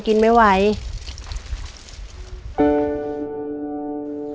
พี่น้องของหนูก็ช่วยย่าทำงานค่ะ